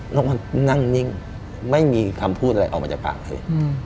วันนั่งนิ่งไม่มีคำพูดอะไรออกมาจากปากเลย